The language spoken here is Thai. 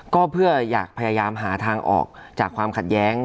ก็เพื่ออยากพยายามหาทางออกจากความขัดแย้ง